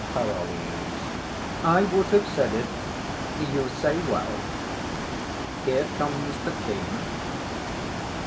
PAROLLES. I would have said it; you say well. Here comes the king.